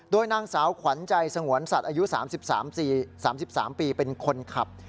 โดยนางสาวขวัญใจสงวนสัตว์อายุ๓๓ปีเป็นคนขับ